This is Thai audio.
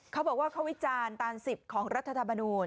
เขาบอกว่าเขาวิจารณ์ตาม๑๐ของรัฐธรรมนูญ